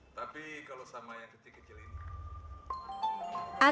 akte yang berdurasi delapan menit ini bercerita soal anjing yang diperjual belikan untuk dikonsumsi